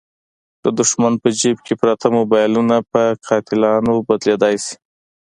د دوښمن په جیب کې پراته موبایلونه په قاتلانو بدلېدلای شي.